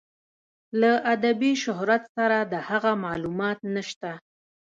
له ادبي شهرت سره د هغه معلومات نشته.